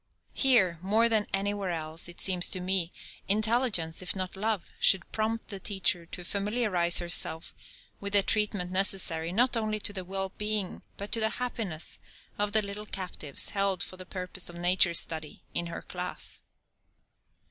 Here more than anywhere else, it seems to me, intelligence, if not love, should prompt the teacher to familiarize herself with the treatment necessary not only to the well being but to the happiness of the little captives held for the purpose of nature study in her class.